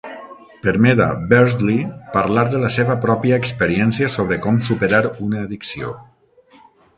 Permet a Beardsley parlar de la seva pròpia experiència sobre com superar una addicció.